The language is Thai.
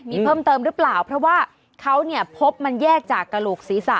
มีเพิ่มเติมหรือเปล่าเพราะว่าเขาเนี่ยพบมันแยกจากกระโหลกศีรษะ